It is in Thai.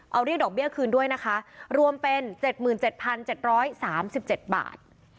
เอาเรียกดอกเบี้ยคืนด้วยนะคะรวมเป็น๗๗๓๗บาท